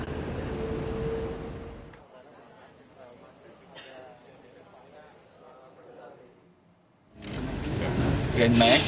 ketika penumpangnya berhasil diidentifikasi penumpangnya berhasil diidentifikasi